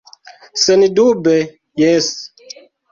Sendube jes.